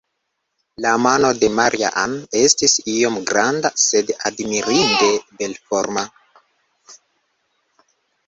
La mano de Maria-Ann estis iom granda, sed admirinde belforma.